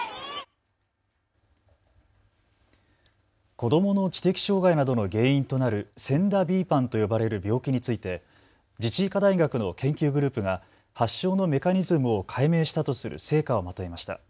子どもの知的障害などの原因となるＳＥＮＤＡ／ＢＰＡＮと呼ばれる病気について自治医科大学の研究グループが発症のメカニズムを解明したとする成果をまとめました。